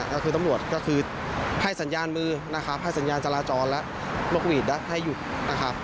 ก็คือตำรวจก็คือให้สัญญาณมือนะครับให้สัญญาณจราจรและนกหวีดให้หยุดนะครับ